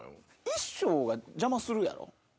衣装が邪魔するやろ。